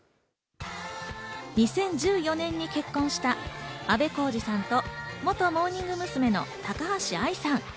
２０１４年に結婚したあべこうじさんと元モーニング娘。の高橋愛さん。